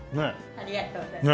ありがとうございます。